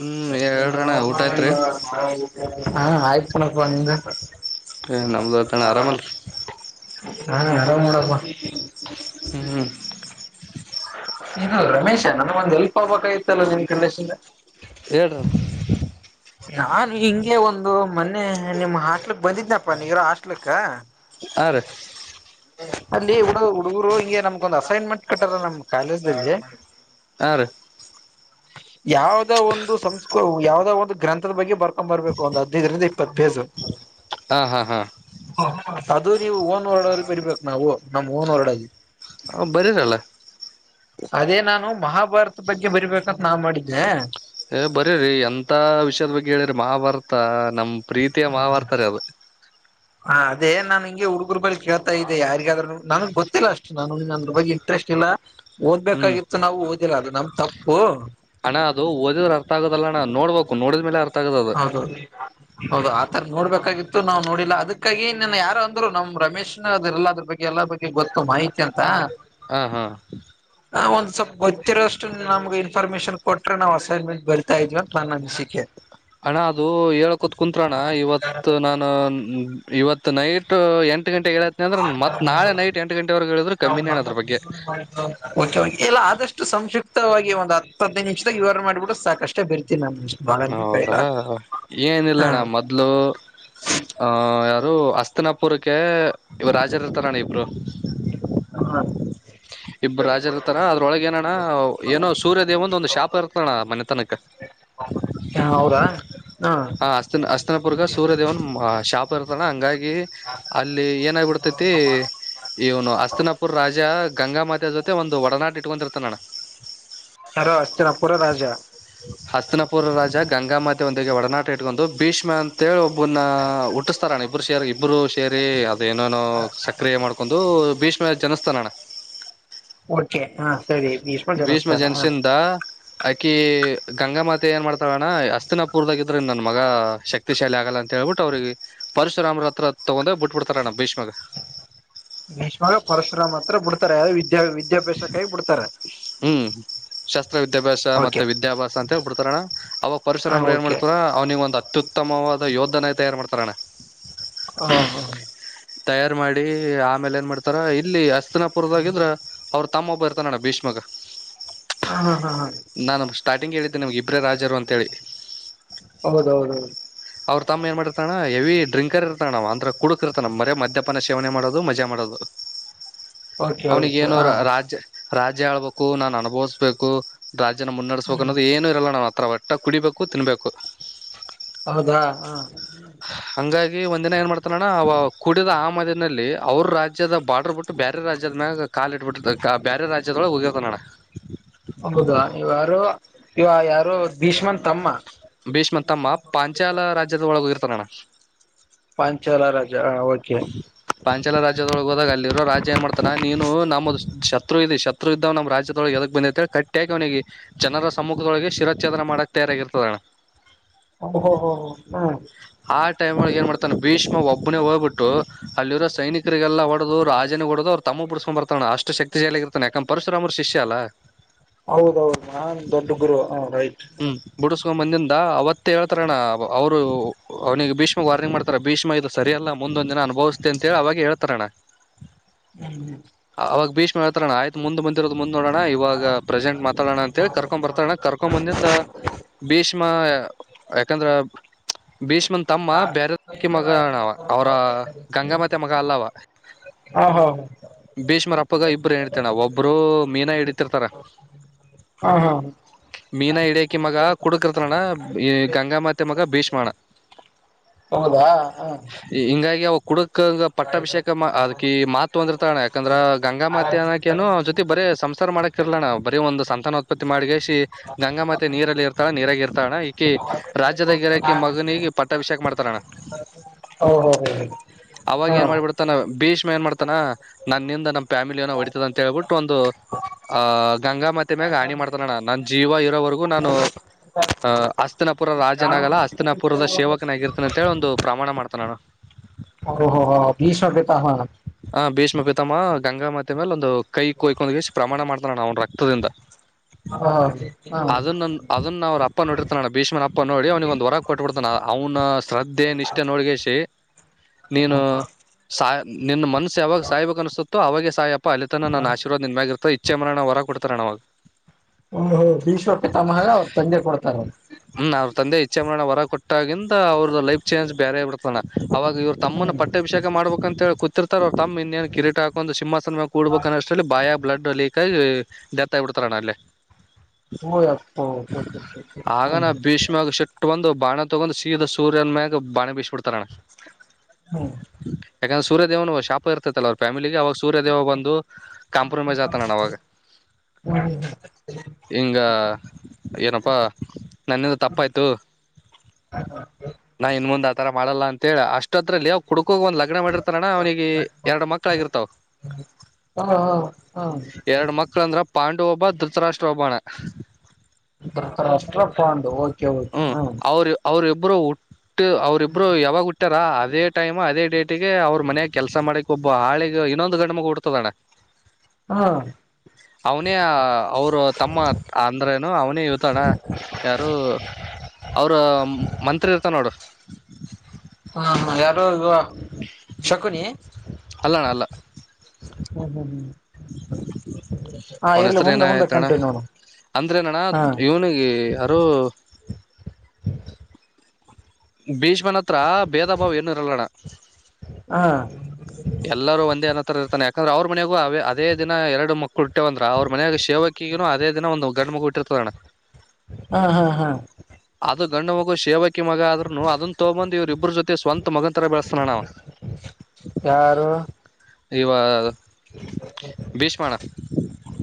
ಹ್ಮ್ ಹೇಳ್ರಣ್ಣ ಊಟ ಆಯ್ತ್ರಿ ಹಾ ಆಯ್ತುಣಪ್ಪ ನಿಂದ ನಮ್ದು ಆಯ್ತಣ್ಣ ಆರಾಮಲ್ರಿ ಹಾ ಆರಾಮ ನೊಡಪ್ಪ ಹ್ಮ್ ಹ್ಮ್ ಇನು ರಮೇಶ ನನ್ಗ ಒಂದ್ ಎಲ್ಪ್ ಆಗ್ಬೇಕ ಇತ್ತಲ್ಲ ನಿನ್ ಕಂಡೀಷನ್ ಹೇಳು [inaudible] ನಾನು ಹಿಂಗೆ ಒಂದು ಮೊನ್ನೆ ನಿಮ್ಮ ಹಾಸ್ಟ್ಲಕ್ ಬಂದಿದ್ನಪ್ಪ ನೀಗರ ಹಾಸ್ಟ್ಲಕ್ಕ ಹ ರೀ ಅಲ್ಲಿ ಹುಡು ಹುಡುಗರು ಹಿಗೆ ನಮ್ಕ್ೊಂದಂದು ಅಸೈನ್ಮೆಂಟ್ ಕಟ್ಟಲ್ಲ ನಮ ಕಾಲ ದಲ್ಲಿ ಹಾ ರೀ ಯಾವ್ದ ಒಂದು ಸಂಸ್ಕ ಯಾವ್ದ ಒಂದು ಗ್ರಂಥದ ಬಗ್ಗೆ ಬರ್ಕೊ ಬರ್ಬೇಕು ಒಂದು್ ಹದ್ದರಿಂದ ಇಪ್ಪತ್ತು ಬೇಜು [inaudible] ಹಾ ಹಾ ಹಾ ಅದು ನೀವು ಓನ್ ಹೊಡಲ್ಲಿ ಬರ್ಬೇಕು ನಾವು ನಮ್ ಓನ್ ಹೊರಡಾಗಿ ಹ ಬರ ನಳೆ ಅದೇ ನಾನು ಮಹಾಭಾರತ ಬಗ್ಗೆ ಬರಿಬೇಕಂತ ನಾ್ ಮಾಡಿದ್ದೆ ಏ ಬರೀ ಎಂತ ವಿಷಯದ ಬಗ್ಗೆ ಹೇಳಿ ಮಹಾಭಾರತಾ ನಮ್ ಪ್ರೀತಿಯ ಮಾಹಭಾರತ ರೀ ಅದ [inaudible] ಹಾ ಅದೇ ನಾನ್ ಹಂಗೆ ಹುಡುಗರು ಬಳಿ ಕೇಳ್ತಾ ಇದೆ ಯಾರಿಗಾದ್ರುೂ ನನ್ಗ್ ಗೊತ್ತಿಲ್ಲ ಅಷ್ಟು ನಾನು ಅ್ರ ಬಗ್ಗೆ ಇಂಟ್ರೆಸ್ಟ್ ಇಲ್ಲ ಹ್ಮ್ ಓದ್ಬೇಕಾಗಿತ್ತು ನಾವು ಓದಿಲ್ಲ ಅದು ನಮ್ ತಪ್ಪು ಅಣ್ಣ ಅದು ಓದಿದ್ರ ಅರ್ಥ ಆಗದಲ್ಲಣ್ಣ ನೋಡ್ಬೇಕು ನೋಡಿದ ಮೇಲೆ ಅರ್ ಹೌದೌದು ಹೌದು ಆತರ ನೋಡ್ಬೇಕಾಗಿತ್ತು ನಾವು ನೋಡಿಲ್ಲ ಅದಕ್ಕಾಗಿನ್ನ ಯಾರು ಅಂದ್ರು ನಮ್ ರಮೇಶ್ನ ಅ್ರಲ್ಲ ಅದ್ರ ಬಗ್ಗೆ ಎಲ್ಲ ಬಗ್ ಗೊತ್ತು ಮಾಹಿತಿ ಅಂತ ಹಾ ಹಾ ಹ ಒಂದ್ ಸ್ವಲ್ಪ ಗೊತ್ತಿರೋ ಅಷ್ಟು ನಮ್ಗೆ ಇನ್ಫಾರ್ಮೇಶನ್ ಕೊಟ್ರೆ ನಾವ್ ಅಸೈನ್ಮೆಂಟ್ ಬರ್ತಾ ಇದ್ವ ನಾನು ಅನ್ಸಿಕೆ ಅಣ್ಣ ಅದು ಹೇಳಕೊತ್ ಕುಂತ್ತ್ರಣ್ಣ ಇವತ್ತು ನಾನು ಇವತ್ತು ನೈಟ್ ಎಂಟು ಗಂಟೆಗೆ ಏ ಅಂದ್ರ ಮತ್ ನಳೆ ನೈಟ್ ಎಂಟ ಗಂಟೆರೆಗಗೆ ಹೇಳಿದ್ರ ಕಮ್ಮಿನೇ ಅದ್ರಗ್ಗೆ ಇಲ್ಲ ಆದಷ್ಟು ಸಂಕ್ಷಿಪ್ತವಾಗಿ ಒಂದು ಹದ್ ನಿಮಷದಾಗ ವಿವರಣೆ ಮಾಡಿಬಿಡು ಸಾಕಷ್ಟು ಅಷ್ಟೇ ಬರ್ತೀನಿ ನಾನುು ಬಾಳ ಬೇಕ ಇಲ್ಲ ಹಾ ಹಲ್ಲೋ ಆ ಯಾರು ಅಸ್ತಿನಪುರಕ್ಕೆ ಇವ್ ರಾಜರ ಇರ್ತಾರ ಇಬ್ರು ಹ್ಮ ಇಬ್ಬರು ರಾಜ ಇರ್ತಾರಾ ಅದ್ರೊಳಗ ಏನಣ್ಣ ಏನೋ ಸೂರ್ಯದೇವಂದ ಒಂದು್ ಶಾಪ ಇರ್ತಣ ಮನೆತನಕ ಹ ಅವೌದಾ ಹಾ ಹ ಅಸ್ತ ಅಸ್ತನಪುರ್ಗ ಸೂರ್ಯ ದೇವನ್ ಶಾಪ್ ಇರ್ತಾನ ಹಂಗಾಗಿ ಅಲ್ಲಿ ಏನಾಗಬಿಡ್ತೈತಿ ಇವನು ಅಸ್ತನಾಪುರ್ ರಾಜ ಗಂಗಾ ಮಾಾತ ಜೊತೆ ಒಂದು ಒಡನಾಟ ಇಟ್ಕೊಂಡಿರ್ತಾನೆ ನಾನು ಯಾರ ಅಷ್ಟತಿಿನ ಪುರ ರಾಜಾ ಹತ್ತನಪುರ ರಾಜ ಗಂಗಾಮತೆ ಒಂದಿಗೆ ಒಡನಾಟ ಇಟ್ಕೊಂಡು ಬೀಚ್್ಮ್ಯಾ ಅಂತ ಹೇಳಿ ಒಬ್ ಇನ್ನ ಹುಟ್ಟಿಸ್ತಾರಣ ಇಬ್ಬರು ಸೇರಿ ಇಬ್ಬರು ಸೇರಿ ಅದ ಏನೇನೋ ಸಕ್ರಿಯ ಮಾಡ್ಕೊಂಡು ಭೀಷ್ಮ ಜನಸ್ತಾನ ಅಣ್ಣ ಓಕೆ ಹಾ ಸರಿ ಭೀಷ್ಮ ಜನಿಸ್ತಾರ ಹ ಜೆನ್ಸಿಿಂದ ಆಕಿ ಗಂಗಾಮಾತೆ ಏನ್ ಮಾಡ್ತಾರಣ ಅಸ್ತಿನಪುರ್ದಾಗ ಇದ್ರ ನನ್ ಮಗ ಶಕ್ತಿ ದ ಶೈಲ ಆಗಲ್ಲ ಅಂತ ಹೇಳಟ್ಟ ಅವ್ರಿಗೆ ಪಶರಾಮರ ಹತ್ರ ತಗೊಂಡೋಗ್ ಬಿಟ್ಬಡ್ರಣಮ್ಮ ಭೀಷ್ಮಾಗ ಭೇಷ್ಮಾಗ ಪರಶುರಾಮ ಹತ್ರ ಬಿಡ್ತಾರೆ ಯಾವ ವಿದ್ಯಾ ವಿದ್ಯಾಭ್ಯಾಸಕಾಗಿ ಬಿಡ್ತಾರೆ ಹ್ಮ್ ಶಾಸ್ತ್ರ ವಿದ್ಯಾಭ್ಯಾಸ ಓಕೆ ಮತ್ತೆ ವಿದ್ಯಾಭ್ಯಾಸ ಅಂತ ಹೇಳ್ಬಿಡ್ತಾರ ಅಣ್ಣ ಅವಾಗ ಹ ಪರಿಸರ ಅಂಬ್ರ ಏನ್ ಓಕೆ ಮಾಡ್ತಾರ ಅವ್ನಿಗೆ ಒಂದು ಅತ್ಯುತ್ತಮವಾದ ಯೋಧನ ತಯಾರು ಮಾಡ್ತಾರ ಅಣ್ಣ ಹಾ ಹಾ ತಯಾರ್ ಮಾಡಿ ಆಮೇಲೆ ಏನ್ ಮಾಡ್ತಾರ ಇಲ್ಲಿ ಅಸ್ತಿನಪುರದಾಗಿದ್ರ ಅವ್ರ ತಮ್ಮ ಬರ್ತ ನಡ ಭೀಷ್ಮಗ ಹ ಹಾ ಹಾ ಹ ನಾನು ಸ್ಟಾರ್ಟಿಗೆ ಹೇಳಿದ್ದೀನೆ ನಿಮ್ಗೆ ಇಬ್ರ ರಾಜರು ಅಂತೇಳಿ ಹೌದೌದೌದು ಅವ್ರ ತಮ್ಮ ಏನ್ ಮಾಡಿರ್ತಣ ಹೆವಿ ಡ್ರಂಕರ್ ಇರ್ತಣ ಅವ ಅಂದ್ರ ಕುಡ ಕುೃತನ ಮರ ಮದ್ಯಪಾನ ಸೇವನೆ ಮಾಡೋದು ಮಜಾ ಮಾಡೋದು ಓಕೆ ಅವ್ನಿಗೆ ಓಕೆ ಹ ಏನೋರು ರಾಜ್ಯ ರಾಜ್ಯ ಹೇಳ್ಬೇಕು ನಾನ್ ಅನುಭವಿಸ್ಬೇಕು ರಾಜ್ಯನ ಮುನ್ನಡೆಸ್ಬೇಕು ಹ್ಮ್ ಅನ್ನೋದು ಏನು ಇಲ್ಲ ನಾನ್ ಹತ್ರ ಬರ್ ಊಟ್ಟ ಕುಡಿಬೇಕು ತಿನ್ಬೇಕು ಹೌದಾ ಹಾ ಹಂಗಾಗಿ ಒಂದಿನ ಏನ್ ಮಾಡ್ತಾನಣ್ಣ ಅವ ಕುಡಿದ ಆಮದಿನಲ್ಲಿ ಅವ್ರ ರಾಜ್ಯದ ಬಾರ್ಡರ್ ಬಿಟ್ಟ ಬೇರೆ ರಾಜ್ಯದನಾಗ ಕಾಲ ಇಟ್ಬಿಟ್ಟ ಬೇರೆ ರಾಜ್ಯದೊಳ ಹೋಗಿರ್ತ ನಡ ಹೌದ ಇವ ಯಾರು ಇವ ಯಾರು ದುಶ್ಮನ್ ತಮ್ಮ ಭೀಷ್ಮ ತಮ್ಮ ಪಾಂಚಾಲ ರಾಜ್ಯದ ಒಳಗ ಇರ್ತಾನ ನಣ್ಣ ಪಾಂಚಾಲ ರಾಜ ಓಕೆ ಪಾಂಚಾಲ ರಾಜ್ಯದೊಳಗೆ ಹೋದಾಗ ಅಲ್ಲಿರೋ ರಾಜ್ಯ ಏನ್ ಮಾಡ್ತಾನ ನೀನು ನಮದು ಶತ್ರು ಇ ಶತ್ರು ಇದ್ದಾವ ನಮ್ಮ ರಾಜ್ಯದೊಳಗೆದ ಬಂದ ಅಂತೇಳ ಕಟ್ಟಿಯಾಗಿ ಅವನಿಗೆ ಜನರ ಸಮ್ಮುಖದೊಳಗೆ ಶಿರಾಚ್ಛೇದನ ಮಾಡಕಕ್ ತಯಾರಾಗಿರ್ತದಣ ಓ ಹೋ ಹ ಹ ಹ್ಮ ಆ ಟೈಮ್ಲ್ ಏನ್ ಮಾಡತಾನ ಭೀಷ್ಮ ಒಬ್ನೇ ಹೋಗ್ಬಟ್ಟು ಅಲ್ಲಿರೋ ಸೈನಿಕರಿಗೆಲ್ಲ ಹೊಡೆಡದು ರಾಜನ ಹೊಡದು ಅವ್ರು ತಮ್ಮ ಬಿಡ್ಸ್ಕೊಂಡ್ ಬರ್ತಾನಣ ಅಷ್ಟು ಶಕ್ತಿ ಇರ್ತೆ ಅಕ ಪರಶರಾಮ್ ಶಿಷ್ಯ ಅಲ್ಲ ಹೌದೌದು ನಾನ್ ದೊಡ್ಡ ಗುರು ಹ ರೈಟ್ ಹ ಬುಡಸ್ಕೊ ಬಂದಿಂದ ಅವತ್ತೇ ಹೇಳ್ತಾರ ಅಣ್ಣ ಅವರು ಅವನಿಗೆ ಭೀಷ್ಮಕ್ ವಾರ್ನಿಂಗ್ ಮಾಡ್ತಾರ ಭೀಷ್ಮ ಇದು ಸರಿಯಲ್ಲ ಮುಂದೊಂದ್ ದಿನ ಅನುಭವಿಸತೆ ಅಂತೇಳಿ ಅವಾಗ ಹೇಳ್ತಾರಣ್ಣ ಹ್ಮ್ ಅವಾಗ ಭೀಷ್ಮೆ ಹತ್ರಣ ಆಯತು ಮುಂದ್ ಬಂದಿರೋದ ಮು ನೋಡೋಣ ಇವಾಗ ಪ್ರೆಸೆಂಟ್ ಮಾತಾಡೋಣ ಅಂತೇಳಿ ಕರ್ಕೊ ಬರ್ತಾಣ ಕರ್ಕೊ ಹಾ ಬಂದಿಂದ ಭೀಷ್ಮ ಯಾಕಂದ್ರ ಭೀಷ್ಮನ ತಮ್ಮ ಬೇರೆಕಿ ಮಗಣವ ಅವ್ರ ಗಂಗಮತೆ ಮಗ ಅಲ್ಲವ ಹಾ ಹಾ ಭೀಷ್ಮರ ಅಪ್ಪಗ ಇಬ್ಬರು ಹಳ್ತೇಣ ಒಬ್ರು ಮೀನಾ ಹಿಡತಿರ್ತಾರ ಹಾ ಹಾ ಹ ಮೀನಾ ಹಿಡಿಯಕಿ ಮಗ ಕುಡಕರ್ತಣ್ಣ ಈ ಗಂಗಾಮತೆ ಮಗ ಭೀಷ್ಮಾಣ ಹೌದಾ ಹ ಹಿಂಗಾಗಿ ಅವ ಕುಡ ಪಟ್ಟಾಭಿಷೇಕ ಅದ್ಕ ಮಾತು ಒಂದಿರ್ತಣ ಯಾಕಂದ್ರ ಗಂಗಾ ಮಾತ ಅನ್ನಕ ಏನು ಜೊತಿ ಬರೇ ಸಂಸಾರ ಮಾಡಕ್ ರ್ಲ ನಾ ಬರೀ ಒಂದು ಸಂತಾನ ಉತ್ಪತ್ತಿ ಮಾಡಿ ಶಿ ಗಂಗಾ ಮತ್ತೆ ನೀರಲ್ಲಿ ಇರ ನೀರಾಗಾಗಿ ಇರ್ತ ಅಣ್ಣ ಈಕಿ ರಾಜ್ಯದ ಗಿರಕಿ ಮಗನಿಗೆ ಪಟ್ಟಭಿಷೇಕ್ ಮಾಡ್ತಾರ ಅಣ್ಣ ಹ ಹೌ ಹ ಅವಾಗ ಏನ್ ಮಾಡ್ಬಿಡ್ತಾನ ಭೀಷ್ಮ ಏನ್ ಮಾಡ್ತಾನ ನನ್ನ ನಿಂದ ಫ್ಯಾಮಿಲಿಯ ನ ಹೊಡಿತದ ಅಂತ ಹೇಳ್ಬಿಟ್ಟು ಒಂದು ಆಹ ಗಂಗಾ ಮತ್ತೆ ಮ್ಯಾಗ ಹಣಿ ಮಾಡ್ತಾನಣ್ಣ ನಾನನ್ ಜೀವ ಇರೋವರೆಗೂ ನಾನು ಅಹ್ ಅಸ್ತನಪುರ ರಾಜನಾಗಲ್ಲಾ ಅಸ್ತನಪುರದ ಸೇವಕನಾಗಿರ್ತನ ಅಂತೇಳಿ ಒಂದು ಪ್ರಮಾಣ ಮಾಡ್ತಾನು ಓ ಹೋ ಹ ಬಿ ಸವಟತ ಹ ಹ ಭೀಷ್ಮ ಪ್ರಿತಮ್ಮ ಗಂಗಾಾಮತಿ ಮೇಲೆ ಒಂದು ಕೈ ಕೊಯ್ಕೊಂದ್ಷ್ಟ ಪ್ರಮಾಣ ಮಾಡ್ತಾನಳ ನ ಅವನ್ ರಕ್ತದಿಂದ ಹ ಅದನ್ನ ಅದನ್ನ ಅವರು ಅಪ್ಪ ನೋಡಿರ್ತಾನ ಭೀಷ್ಮನ್ ಅಪ್ಪ ನೋಡಿ ಅವನಿಗೆ ಒಂದಂದು ಹೊರ ಕೊಟ್ಟಟ್ಬಿಡ್ತಾನ ಅವನ ಶ್ರದ್ಧೆ ನೋಡ್ಗೆ ನೀನು ಸ ನಿನ್ನ ಮನಸು ಯಾವಾಗ ಸಾಯಬೇಕ ಅನಸುತ್ತೋ ಅವಾಗ ಸಹ ಪ ಅಲ್ಲಿ ತನ ನ ಆಶೀರ್ದ ನಿನ್ ಇತ ಇಛೆ ಮರಣಣ ಹೊರ ಕೊಡ್ತಾರೆಣ ಅವಾಗ ಹ ಈೀಶ್ವ ಪಿತಾಮಹ ಅವ್ರು ತಂದೆ ಕೊಡ್ತಾರೆರು ಹ್ಮ ಅವ್ರ ತಂದೆ ಇಚ್ ಮರಣ ಹೊರ ಕೊಟ್ಟಾಗಿಂದ ಅವ್ರದ ಲೈಫ ಚೇಂಜ್ ಬೇರೆ ಬರ್ತಾನ ಅವಾಗ ಇವ್ರು ತಮ್ಮನ್ನು ಹ್ಮ್ ಪಟ್ಟೆಭಿಷೇಕ ಮಾಡ್ಬೇಕಕ್ ಅಂತ ಹೇಳಿ ಕತಿರ್ತಾರ ಅವ ತಮ್ಮ ಇನ್ನೇ ಕಿಟ ಹಾಕು ಸಿಂಹ ಸಿನಮ ಕೂಡಬೇಕಕ್ ಅಷ್ಟ ಸಲಿ ಬಾಯ ಬ್ಲಡ್ ಲೀಕಾಗಿ ಡೆತ್ ಆಗಿಬಿಡ್ತಾರಣ್ಣ ಅಲ್ಲಿ ಹ ಅಪ್ಪ ಆಗನ ಭೀಷ್ಮಾಗ ಸಿಟ್ಟ ಬಂದು ಬಾಣ ತೊಗೊಂಡ್ ಸೀದ ಸೂರ್ಯನ್ ಮ್ಯಾಗ ಬಾಣ ಬೀಸಬ ಬಿಡ್ತಾರಣ್ಣ ಹ್ಮ ಯಾಕಂದ್ರೆ ಸೂರ್ಯದೇವನು ಶಾಪ ಇರ್ತೈತ್ತಲ್ಲ ಅವರು ಫ್ಯಾಮಿಲಿಗೆ ಅವಾಗ ಸೂರ್ಯದೇವ ಬಂದು ಕಾಂಪ್ರಮೈಸ್ ಆಗ್ತಾನಣ ಅವಾಗ ಹ್ಮ್ ಹಿಂಗ ಏನಪ್ಪಾ ನನ್ನದು ತಪ್ಪ ಆಯ್ತು ನಾ ಇನ್ ಮುಂದ್ ಆ ತರ ಮಾಡಲ್ಲ ಅಂತ ಹೇಳ ಅಷ್ಟದ್ರಲ್ಲಿ ಯ ಅವ್ ಕುಡ್ಕೋಗ ಒಂದ್ ಲಕ್ಷ ಕ ಮಾಡಿರ್ತಾರಣ ಅವನಿಗೆ ಎರಡು ಮಕ್ಕಳ ಆಗಿರ್ತಾವ ಹಾ ಹಾ ಎರಡು ಮಕ್ಳ ಅಂದ್ರ ಪಾಂಡು ಹಬ್ಬ ಧೃತರಾಷ್ಟ್ರ ಹಬ್ಬಣ್ಣ ರ್ ಅಷ್ಟ ಕೊಂಡು ಓಕೆ ಓಕೆ ಹ್ಮ ಅವರು ಅವರಿ ಇಬ್ಬರು ಹುಟ್ಟು ಅವರಿಬ್ರು ಯಾವಾಗ ಹುಟ್ಟ ಇಟ್ಟರ ಅದ ಟೈಮ ಅದೇ ಡೇಟಿಗೆ ಅವ್ರರು ಮನ್ಯ ಕೆಲಸ ಮಾಡಕ್ ಒಬ್ಬ ಹಳಿಗೆ ಇನ್ನೊಂದು ಗಂಡ ಮಗ ಹೊಡ್ತದಣ್ಣ ಹಾ ಅವನೇ ಅವರು ತಮ್ಮ ಅಂದ್ರೇನು ಅವನೇ ಇವತಣ ಯಾರು ಅವ್ರ ಮಂತ್ರಿ ಇರ್ತ ನೋಡು ಹಾ ಯಾರು ಈ ಶಕುನಿ ಅಲ್ಲಣ್ಣ ಅಲ್ಲ ಹ್ಮ ಹ್ಮ್ ಹ್ಮ್ ಹಾ ಅವನ ಇರ್ಲಿ ಹೆಸರು ಏನ ಮುಂದೆ ಮುಂದೆ ಐತಣ್ಣ ಕಂಟೆ ನೋಡು ಅಂದ್ರೇನಣ್ಣ ಹಾ ಇವನಿಗೆ ಯಾರು ಭೀಷ್ಮನ್ ಹತ್ರ ಭೇದ ಭಾವ ಏನು ಇರಲ್ಲಣ್ಣ ಹಾ ಎಲ್ಲರೂ ಒಂದೇಏನತರ ಇರ್ತಾನ ಯಕ್ರ ಅವ್ರ ಮನೆಗೂ ಅವ ಅದೇ ದಿನ ಎರಡು ಮಕ್ಕಳು ಇಟ್ಟೆವಂದ್ರೆ ಅವ್ರ ಮನೆಯಾಗ ಶೇವಕ್ಕಗೂ ಅದೇ ದಿನ ಒಂದು ಗಂಡು ಮಗು ಇಟ್ಟರ್ತದಣ್ಣ ಹ ಅದು ಗಂಡು ಮಗು ಶೇವಕ್ಕಿ ಮಗ ಆದ ಅದನ್ನ ತಗೊಂದ್ ಇವ್ರ ಇಬ್ಬ್ರ ಜೊತೆ ಸ್ವಂತ ಮಗನ ತರ ಬೆಳಸ್ತಾನ ನಾವ ಯಾರು ಇವ ಭೀಷ್ಮಣ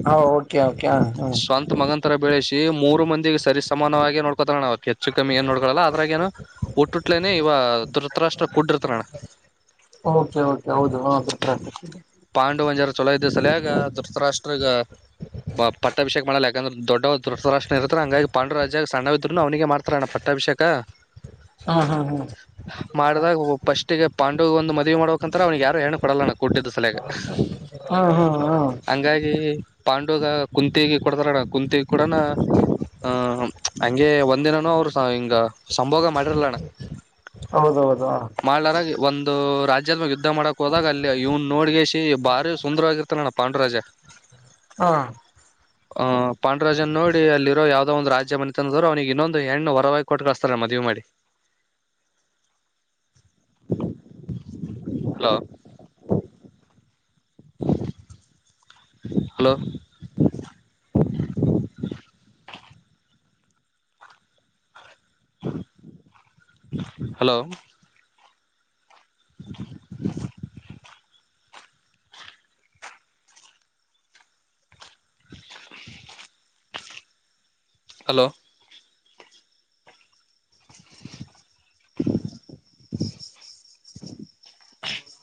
ಹ ಓಕೆ ಓಕೆ ಹ ಹಾ ಮ ಮಗನ ತರ ಬೆಳಸಿ ಮೂರು ಮಂದಿಿಗೆ ಸರಿಸಾನವಾಗಿ ನೋಡ್ಕೋತಾರ ನಾವು ಹೆಚ್ಚ ಕಮಿ ಏ ನೋಡ್ಕೋಲ್ಲ ಅದ್ರಾಗ ಏನು ಹುಟ್ಟುಟ್ಲೇನೆ ಇವ ದುೃತ ರಾಷ್ಟ್ರ ಓಕೆ ಓಕೆ ಹೌದು [unintelligible] ಪಾಂಡುವಂಜಾರ ಚೊಲೋ ಇದ್ದ ಸಲಯಗ ದೃತ್ ರಾಷ್ಟ್ರಗ್ ಬ ಪಟ್ಟ ಅಭಿಷೇಕ ಮಾಡಲ್ಲ ಯಾಕಂದ್ರೆ ದೊಡ್ಡವ ದೃತ್ ರಾಷ್ಟ್ರ ಇರುತನ ಹಂಗಾಗಿ ಪಾಂಡು ರಾಜಾಗ ಸಣ್ಣವ ಇದ್ರುನು ಅವನಿಗೆ ಮಾಡ್ತಾರೆಣ್ಣ ಪ ಅಟ್ಟವಶ್ಯಕ ಹಾ ಹಾ ಹಾ ಮಾಡಿದಾಗ ಫಸ್ಟಿಗೆ ಪಾಂಡು ಒಂದು ಮದುವಿ ಮಾಡೋಕಂತ್ರ ಅವನಿಗೆ ಯಾರು ಹೆಣ್ಣ ಕೊಡಲ್ಲಣ್ಣ ಕುಟ್ಟಿದ್ದ ಸಲಾಗಿ ಹಾ ಹಾ ಹಾ ಹಂಗಾಗಿ ಪಾಂಡುಗ ಕುಂತಿಗೆ ಕೊಡ್ತಾರಣ ಕುಂತಿ ಕೊಡಣ್ಣ ಹ ಹಂಗೆ ಒಂದಿನಾನೂ ಅವರು ಸ ಹಿಂಗ ಸಂಭೋಗ ಮಾಡೆರಲ್ಲಣ ಹೌದೌದು ಮಾಡ್ಲಾರ ಒಂದು ರಾಜ್ಯದ ಮಾಗ ಯುದ್ಧ ಮಾಡಕ್ ಹೋದಾಗ ಅಲ್ಲಿ ಇವ್ ನೋಡಗಸಿ ಬಾರಿ ಸುಂದರವಾಗಿರ್ತಾನ ಅಣ್ಣ ಪಾಂಡುರಾಜ ಹಾ ಹ ಪಾಂಡರಾಜನ್ ನೋಡಿ ಅಲ್ಲಿರೋ ಯಾವ್ದೋ ಒಂದ್ ರಾಜ್ಯ ಬಂದ ದ್ರು ಅವನಿಗೆ ಇನ್ನೊಂದು ಹೆಣ್ಣು ಹೊರವಾಗಿ ಕೊಟ್ಟು ಕಳಸ್ತಾರೆ ಮದಿವಿ ಮಾಡಿ ಹಲೋ ಹಲೋ ಹಲೋ ಹಲೋ ಹ್ಮ್ [unintelligible]